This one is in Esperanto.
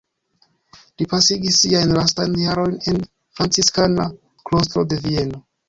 Li pasigis siajn lastajn jarojn en franciskana klostro de Vieno.